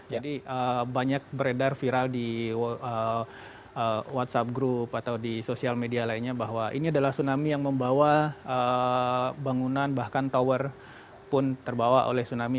jadi banyak beredar viral di whatsapp group atau di sosial media lainnya bahwa ini adalah tsunami yang membawa bangunan bahkan tower pun terbawa oleh tsunami